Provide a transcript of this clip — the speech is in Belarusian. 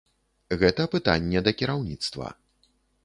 Гэта пытанне да кіраўніцтва.